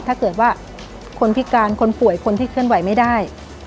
ถ้าเกิดว่าคนพิการคนป่วยคนที่เคลื่อนไหวไม่ได้